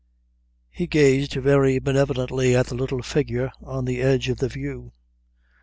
He gazed very benevolently at the little figure on the edge of the view.